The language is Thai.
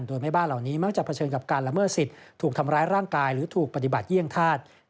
โดยแม่บ้านเหล่านี้มักจะเผชิญกับการละเมิดสิทธิ์ถูกทำร้ายร่างกายหรือถูกปฏิบัติเยี่ยงธาตุ